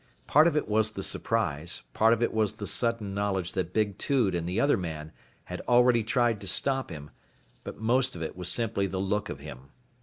Part of it was the surprise, part of it was the sudden knowledge that big Tude and the other man had already tried to stop him, but most of it was simply the look of him.